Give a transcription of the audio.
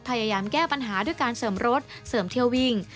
พยายามแก้ปัญหาด้วยการเสริมรถเสริมเที่ยววิ่ง